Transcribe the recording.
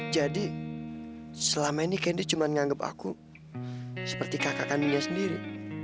jadi selama ini candy cuma nganggep aku seperti kakak kandungnya sendiri